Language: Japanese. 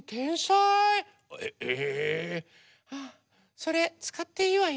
それつかっていいわよ。